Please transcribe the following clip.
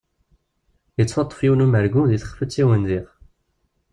Yettwaṭṭef yiwen n umergu deg texfet i undiɣ.